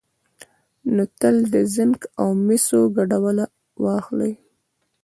نو تل د زېنک او مسو ګډوله واخلئ،